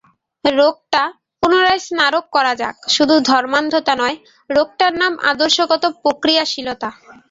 রোগটা, পুনরায় স্মরণ করা যাক, শুধু ধর্মান্ধতা নয়, রোগটার নাম আদর্শগত প্রতিক্রিয়াশীলতা।